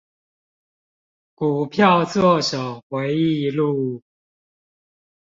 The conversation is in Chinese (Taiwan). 股票作手回憶錄